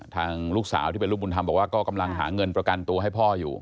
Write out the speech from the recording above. ทางลูกสาวที่เป็นลูกบุญธรรมบอกว่าก็กำลังหาเงินประกันตัวให้พ่ออยู่